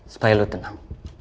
supaya lu tenang